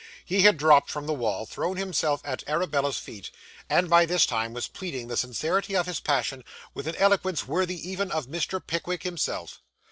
He had dropped from the wall; thrown himself at Arabella's feet; and by this time was pleading the sincerity of his passion with an eloquence worthy even of Mr. Pickwick himself.